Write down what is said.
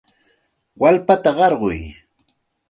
Wallpata qarquy.